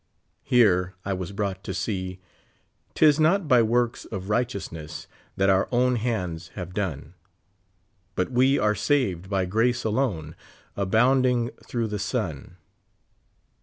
Here I was brought to see —_•' 'Tis not by works of righteousness That our own hands have done ; But we are saved by j^race alone, Abounding through the Son."